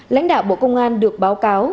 lãnh đạo bộ công an được báo cáo